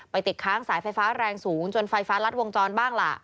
ติดค้างสายไฟฟ้าแรงสูงจนไฟฟ้ารัดวงจรบ้างล่ะ